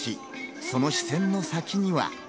その視線の先には。